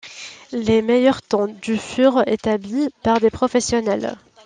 Les meilleurs temps du furent établis par des professionnels.